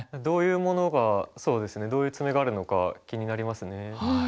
どういうものがそうですねどういう詰碁あるのか気になりますね。